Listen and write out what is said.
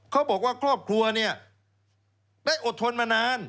เขาบอกว่าครอบครัวเนี่ยได้อดทนมานาน